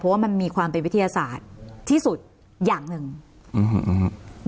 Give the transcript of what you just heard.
เพราะว่ามันมีความเป็นวิทยาศาสตร์ที่สุดอย่างหนึ่งอืม